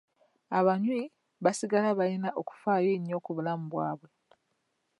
Abanywi ba sigala balina okufaayo ennyo ku bulamu bwabwe.